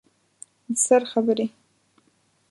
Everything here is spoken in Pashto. د سر خبرې